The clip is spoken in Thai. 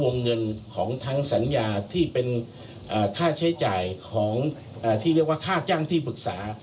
เงินของทั้งสัญญาที่เป็นค่าใช้จ่ายของที่เรียกว่าค่าจ้างที่ปรึกษา